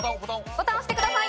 ボタン押してください。